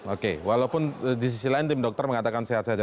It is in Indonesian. oke walaupun di sisi lain tim dokter mengatakan sehat saja